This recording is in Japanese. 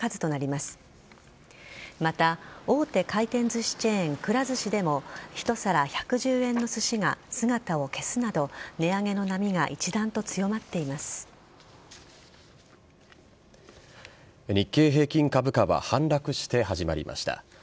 また、大手回転寿司チェーンくら寿司でも１皿１１０円のすしが姿を消すなど値上げの波が日経平均株価は反落して始まりました。